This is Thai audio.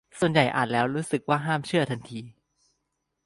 ส่วนใหญ่อ่านแล้วรู้สึกว่าห้ามเชื่อทันที